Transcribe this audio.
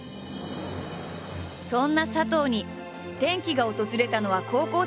そんな佐藤に転機が訪れたのは高校生のとき。